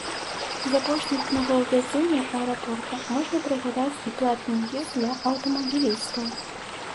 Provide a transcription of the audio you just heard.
З апошніх новаўвядзенняў аэрапорта можна прыгадаць і платны ўезд для аўтамабілістаў.